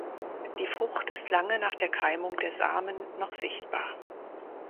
Die Frucht ist lange nach der Keimung der Samen noch sichtbar.